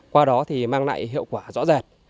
qua đó thì mang lại hiệu quả rõ rệt